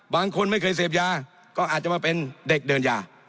บางคนไม่เคยเสพยาก็อาจจะมาเป็นเด็กเดินยา